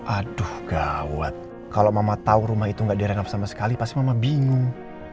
aduh gawat kalau mama tahu rumah itu gak direnov sama sekali pasti mama bingung